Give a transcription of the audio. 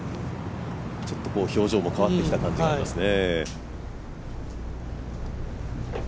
ちょっと表情も変わってきた感じがありますね。